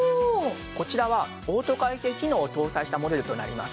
こちらはオート開閉機能を搭載したモデルとなります。